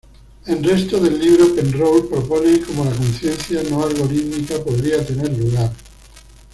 En resto del libro Penrose propone como la conciencia no algorítmica podría tener lugar.